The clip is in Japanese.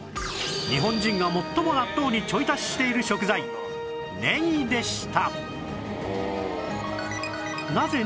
日本人が最も納豆にちょい足ししている食材ねぎでした